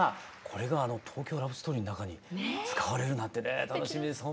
これがあの「東京ラブストーリー」の中に使われるなんてね楽しみです。